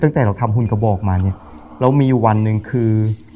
ตั้งแต่เราทำหุ่นกบออกมาแล้วมีวันหนึ่งคือ